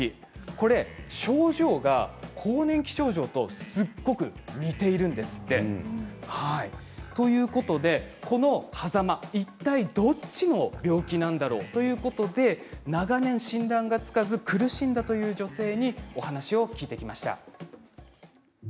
これ症状が更年期症状とすごく似ているんですって。ということでこのはざまいったいどっちの病気なんだろうということで長年、診断がつかず苦しんだという女性にお話を聞いてきました。